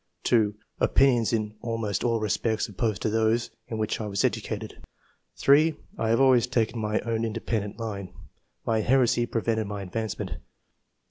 2. "Opinions in almost all respects ojjposed to those in which 1 was educated." 3. " 1 have always taken my own independent line. My heresy prevented my advancement."